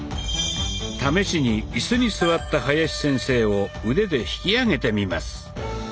試しにイスに座った林先生を腕で引き上げてみます。